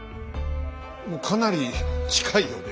かなり近いよね。